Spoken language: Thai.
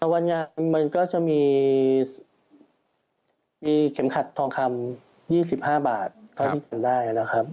วันงานมันก็จะมีเข็มขัดทองคำ๒๕บาทเขาได้นะครับ